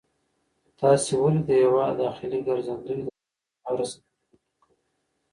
تاسې ولې د هېواد د داخلي ګرځندوی د ودې لپاره سفرونه نه کوئ؟